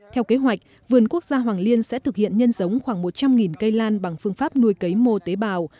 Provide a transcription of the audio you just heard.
theo kế hoạch vườn quốc gia hoàng liên sẽ thực hiện nhân giống khoảng một trăm linh cây lan bằng phương pháp nuôi cấy mô tế bào